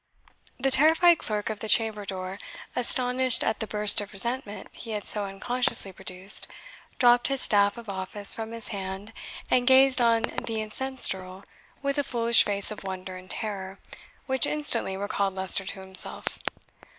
The terrified clerk of the chamber door, astonished at the burst of resentment he had so unconsciously produced, dropped his staff of office from his hand, and gazed on the incensed Earl with a foolish face of wonder and terror, which instantly recalled Leicester to himself.